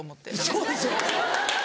そうですよ。